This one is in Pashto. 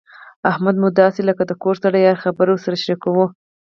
احمد مو داسې دی لکه د کور سړی هره خبره ورسره شریکوو.